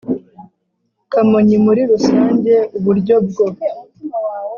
Kamonyi muri rusange uburyo bwo